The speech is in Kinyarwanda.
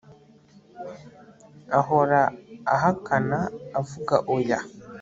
ahora ahakana, avuga oya